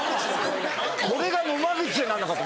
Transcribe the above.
これが野間口なのかと。